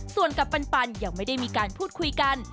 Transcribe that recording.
ส่วนกัปปันยังไม่ได้มีการพูดคุยกัน